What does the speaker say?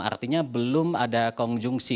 artinya belum ada konjungsi